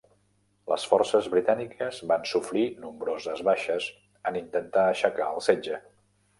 Les forces britàniques van sofrir nombroses baixes en intentar aixecar el setge.